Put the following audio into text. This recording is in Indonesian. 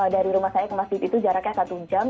dari rumah saya ke masjid itu jaraknya satu jam